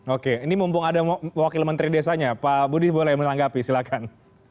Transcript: oke ini mumpung ada wakil menteri desanya pak budi boleh menanggapi silakan